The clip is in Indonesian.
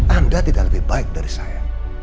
anda tidak lebih baik dari saya